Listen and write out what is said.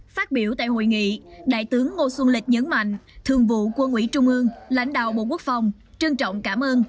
phát biểu tại hội nghị đại tướng ngô xuân lịch nhấn mạnh thường vụ quân ủy trung ương lãnh đạo bộ quốc phòng trân trọng cảm ơn